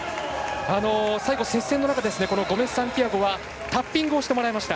最後、接戦の中ゴメスサンティアゴはタッピングをしてもらいました。